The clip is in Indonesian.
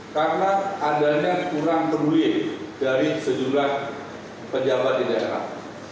karena adanya kurang terlulit dari sejumlah pejabat di daerah